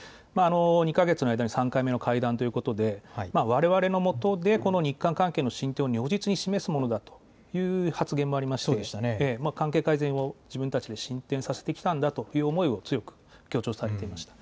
２か月の間に３回目の会談ということで、われわれのもとでこの日韓関係の進展を如実に示すものだという発言もありまして、関係改善を自分たちで進展させてきたんだという思いを強く強調されていました。